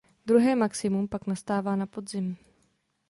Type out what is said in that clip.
Druhé maximum pak nastává na podzim.